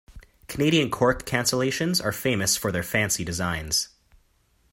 Canadian cork cancellations are famous for their fancy designs.